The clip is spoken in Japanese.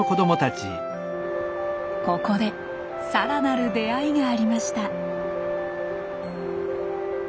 ここでさらなる出会いがありました。